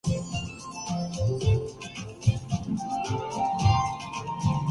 جو بچے ہیں سنگ سمیٹ لو تن داغ داغ لٹا دیا